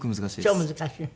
超難しい？